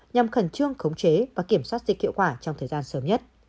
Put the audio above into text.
nhằm khẩn trương khống chế và kiểm soát dịch hiệu quả trong thời gian sớm nhất